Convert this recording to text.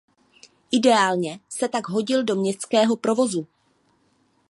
Ideálně se tak hodil do městského provozu.